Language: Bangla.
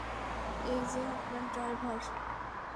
এইযে আপনার ড্রাইভার।